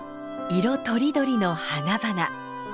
色とりどりの花々。